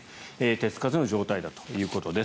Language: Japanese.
手付かずの状態だということです。